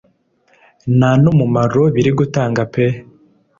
ntanumaro birigutanga pe